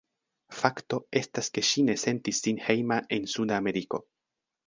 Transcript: Fakto estas ke ŝi ne sentis sin hejma en Suda Ameriko.